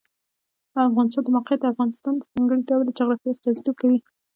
د افغانستان د موقعیت د افغانستان د ځانګړي ډول جغرافیه استازیتوب کوي.